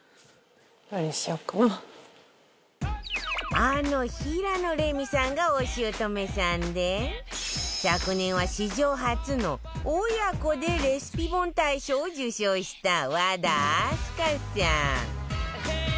あの平野レミさんがお姑さんで昨年は史上初の親子でレシピ本大賞を受賞した和田明日香さん